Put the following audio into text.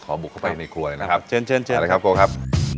ขอบุครับ